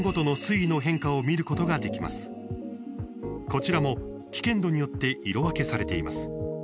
こちらも危険度によって色分けされています。